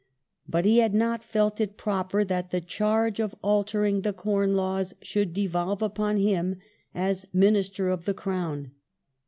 But he had not felt it proper that " the charge of altering the Corn Laws should devolve upon him as Minister of the Crown